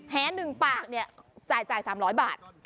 แห้๑ปากเนี่ยจ่าย๓๐๐บาท